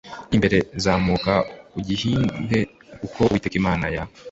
imbere zamuka ugihind re uko Uwiteka Imana ya